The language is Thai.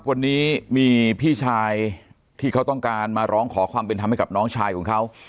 วันนี้มีพี่ชายที่เขาต้องการมาร้องขอความเป็นธรรมให้กับน้องชายของเขา